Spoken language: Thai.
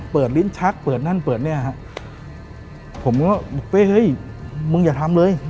ลิ้นชักเปิดนั่นเปิดเนี่ยฮะผมก็บอกเฮ้ยมึงอย่าทำเลย